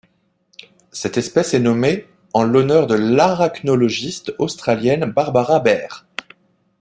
Cette espèce est nommée en l'honneur de l'arachnologiste australienne Barbara Baehr.